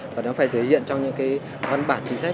và nó phải thể hiện trong những cái văn bản chính sách